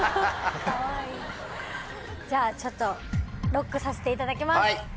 じゃあちょっとＬＯＣＫさせていただきます！